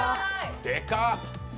でかっ！